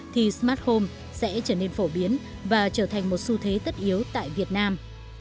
thì smart home sẽ trở nên phổ biến và trở thành một xu thế tất yếu tại việt nam